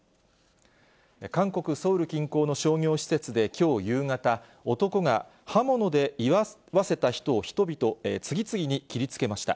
韓国・ソウル近郊の商業施設できょう夕方、男が刃物で居合わせた人々を次々に切りつけました。